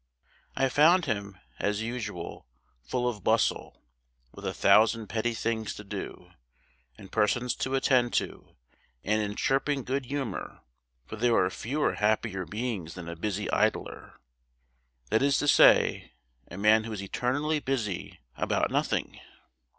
I found him, as usual, full of bustle; with a thousand petty things to do, and persons to attend to, and in chirping good humour; for there are few happier beings than a busy idler; that is to say, a man who is eternally busy about nothing.